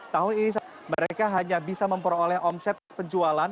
tahun ini mereka hanya bisa memperoleh omset penjualan